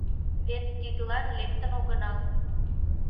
Вет тидлан лектын огынал.